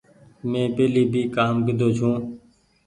من پهلي ڀي ڪآم ڪيۮو ڇو۔